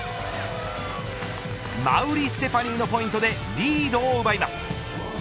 馬瓜ステファニーのポイントでリードを奪います。